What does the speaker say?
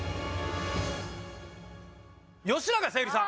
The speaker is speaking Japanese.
吉永小百合さん